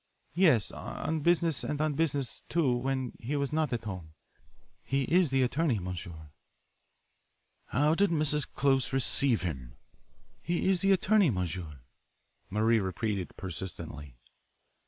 "Yes, on business and on business, too, when he was not at home. He is the attorney, m'sieur." "How did Mrs. Close receive him?" "He is the attorney, m'sieur," Marie repeated persistently.